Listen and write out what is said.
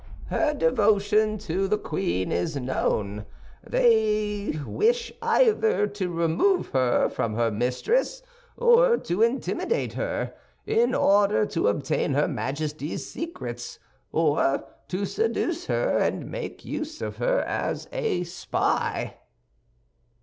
"Her devotion to the queen is known; and they wish either to remove her from her mistress, or to intimidate her, in order to obtain her Majesty's secrets, or to seduce her and make use of her as a spy."